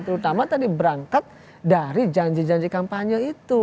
terutama tadi berangkat dari janji janji kampanye itu